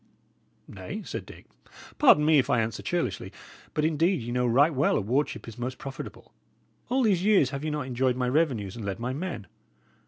"Nay," said Dick, "pardon me if I answer churlishly; but indeed ye know right well a wardship is most profitable. All these years have ye not enjoyed my revenues, and led my men?